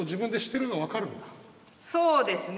そうですね。